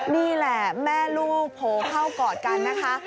นี่แหละแม่ลูกโผล่เข้ากอดกันนะคะ